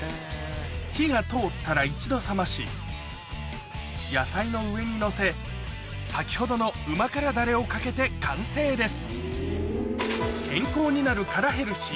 火が通ったら一度冷まし野菜の上にのせ先ほどのうま辛ダレをかけて完成です